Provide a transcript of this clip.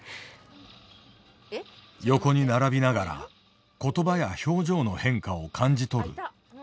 横に並びながら言葉や表情の変化を感じ取る。